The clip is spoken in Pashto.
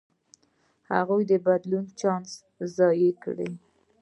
هغوی د بدلون چانس ضایع کړ.